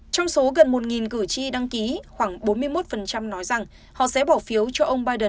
trong số gần một cử tri đăng ký khoảng bốn mươi một nói rằng họ sẽ bỏ phiếu cho ông biden